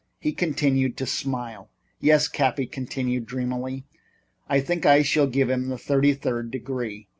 He continued to smile. "Yes," Cappy continued dreamily, "I think I shall give him the thirty third degree.